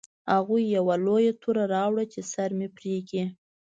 هغوی یوه لویه توره راوړه چې سر مې پرې کړي